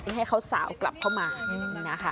ให้เขาสาวกลับเข้ามานะคะ